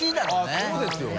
△そうですよね。